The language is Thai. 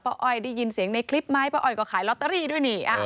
อ้อยได้ยินเสียงในคลิปไหมป้าอ้อยก็ขายลอตเตอรี่ด้วยนี่